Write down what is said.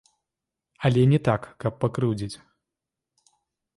Але не так, каб пакрыўдзіць.